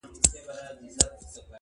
اشنا؛؛!